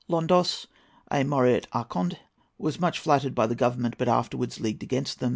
LONDOS.—A Moreot Archonte; was much flattered by the Government, but afterwards leagued against them.